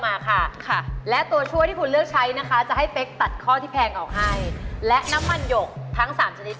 ครับครับครับครับครับครับครับอเรนนี่ตัดข้อที่แพงก็ได้ครับ